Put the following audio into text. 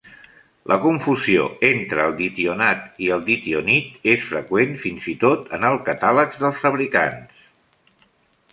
La confusió entre el ditionat i el ditionit és freqüent, fins i tot en els catàlegs dels fabricants.